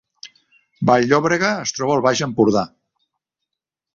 Vall-llobrega es troba al Baix Empordà